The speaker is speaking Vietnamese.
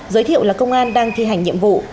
giới thiệu là công an đang thi hành nhiệm vụ